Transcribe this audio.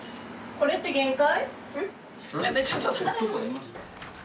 これって限界？